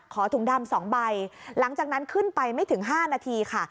ถุงดำ๒ใบหลังจากนั้นขึ้นไปไม่ถึง๕นาทีค่ะ